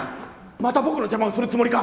また僕の邪魔をするつもりか？